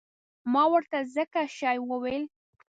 ما ورته ځکه شی وویل.